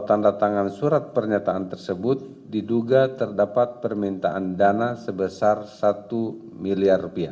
tanda tangan surat pernyataan tersebut diduga terdapat permintaan dana sebesar rp satu miliar